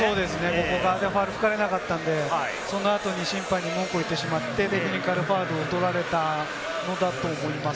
ここが吹かれなかったので、その後に審判に文句を言ってしまって、テクニカルファウルを取られたのだと思います。